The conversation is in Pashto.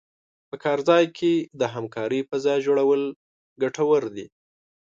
په کار ځای کې د همکارۍ فضا جوړول ګټور دي.